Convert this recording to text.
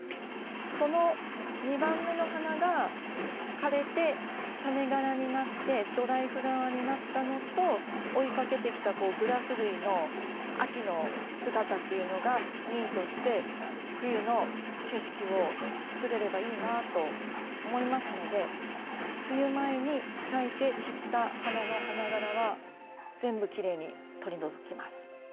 その２番目の花が枯れてタネがらになってドライフラワーになったのと追いかけてきたグラス類の秋の姿っていうのがミートして冬の景色を作れればいいなと思いますので梅雨前に咲いて散った花の花がらは全部きれいに取り除きます。